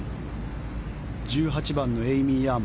１８番のエイミー・ヤン。